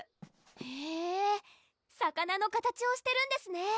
へぇ魚の形をしてるんですね